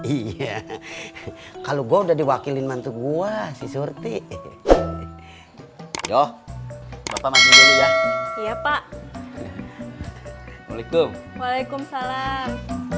iya kalau gua udah diwakili mantu gua sih surti yo yo iya pak waalaikumsalam waalaikumsalam